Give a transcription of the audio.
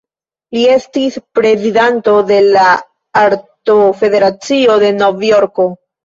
Li estis prezidanto de la Artofederacio de Novjorko.